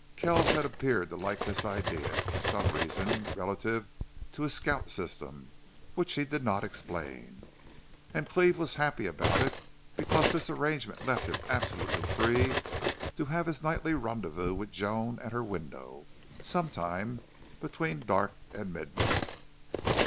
Kells had appeared to like this idea, for some reason relative to his scout system, which he did not explain. And Cleve was happy about it because this arrangement left him absolutely free to have his nightly rendezvous with Joan at her window, sometime between dark and midnight.